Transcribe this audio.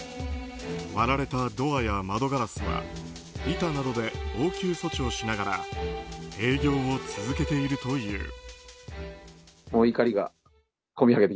割られたドアや窓ガラスは板などで応急措置をしながら営業を続けているという。